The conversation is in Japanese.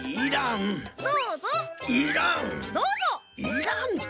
いらんて。